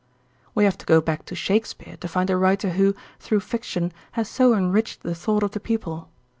We have to go back to Shakespeare to find a writer who, through fiction, has so enriched the thought of the people.